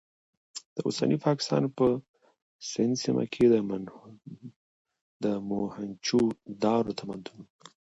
د اوسني پاکستان په سند سیمه کې د موهنجو دارو تمدن و.